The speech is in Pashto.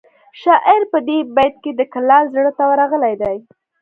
شاعر په دې بیت کې د کلال زړه ته ورغلی دی